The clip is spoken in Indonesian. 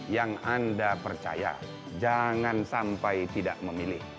yang anda percaya jangan sampai tidak memilih